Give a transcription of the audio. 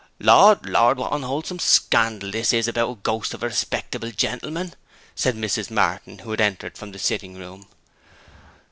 'Lord, lord, what unwholesome scandal's this about the ghost of a respectable gentleman?' said Mrs. Martin, who had entered from the sitting room.